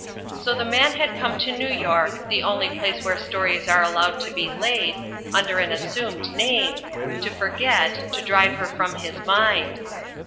So The Man had come to New York (the only place where stories are allowed to be laid) under an assumed name, to forget, to drive her from his mind.